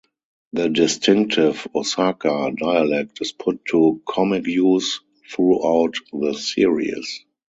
The distinctive Osaka dialect is put to comic use throughout the series.